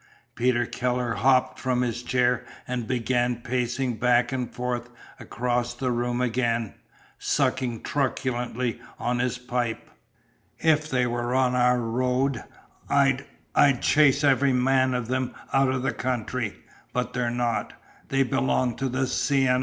Peter Keller hopped from his chair and began pacing back and forth across the room again, sucking truculently on his pipe. "If they were on our road I'd I'd chase every man of them out of the country. But they're not. They belong to the C.N.R.